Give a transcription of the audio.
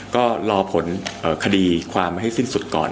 ก็รอผลคดีความให้สิ้นสุดก่อน